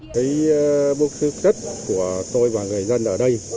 thấy bức thư thất của tôi và người dân